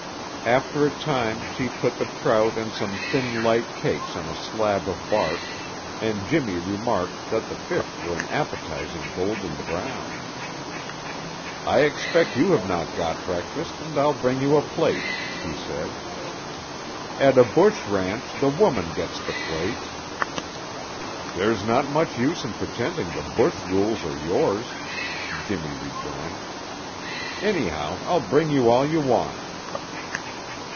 After a time, she put the trout and some thin light cakes on a slab of bark, and Jimmy remarked that the fish were an appetizing golden brown. "I expect you have not got breakfast, and I'll bring you a plate," he said. "At a bush ranch the woman gets the plates." "There's not much use in pretending the bush rules are yours," Jimmy rejoined. "Anyhow, I'll bring you all you want."